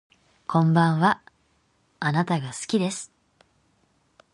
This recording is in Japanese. こんばんはあなたが好きです